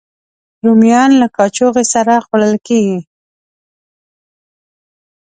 رومیان له کاچوغې سره خوړل کېږي